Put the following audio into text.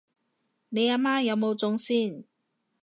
你阿媽有冇中先？